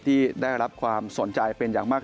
ที่ได้รับความสนใจเป็นอย่างมาก